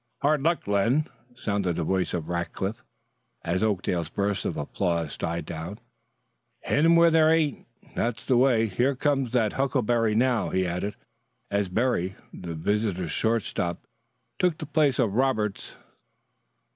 "Hard luck, Len," sounded the voice of Rackliff, as Oakdale's burst of applause died down. "Hit 'em where they ain't; that's the way. Here comes the huckleberry now," he added, as Berry, the visitors' shortstop, took the place of Roberts.